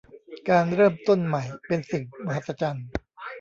การเริ่มต้นใหม่เป็นสิ่งมหัศจรรย์